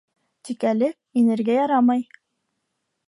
Тик әле инергә ярамай.